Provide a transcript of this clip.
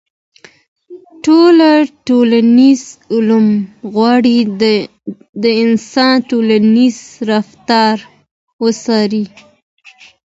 ټول ټولنيز علوم غواړي د انسان ټولنيز رفتار وڅېړي.